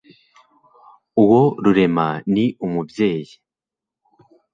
uwo rurema, ni umubyeyi